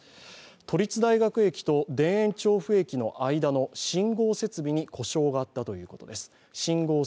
都立大学駅と田園調布駅の間の信号設備に故障があったということです。